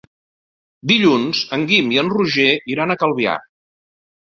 Dilluns en Guim i en Roger iran a Calvià.